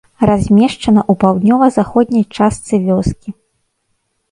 Размешчана ў паўднёва-заходняй частцы вёскі.